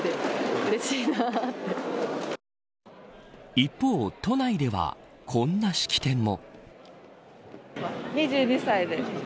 一方、都内でこんな式典も。